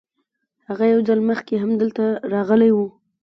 هغه یو ځل مخکې هم دلته راغلی و.